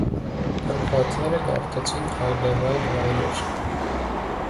Փրկվածները գաղթեցին այլևայլ վայրեր։